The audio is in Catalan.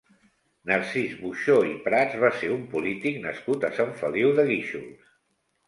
Narcís Buxó i Prats va ser un polític nascut a Sant Feliu de Guíxols.